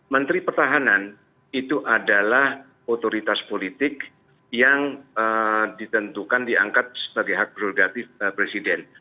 menteri pertahanan itu adalah otoritas politik yang ditentukan diangkat sebagai hak prerogatif presiden